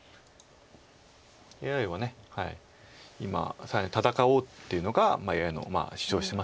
ＡＩは今左辺戦おうっていうのがＡＩの主張してますよね。